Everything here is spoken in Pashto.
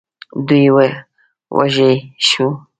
دوی وږي شوو.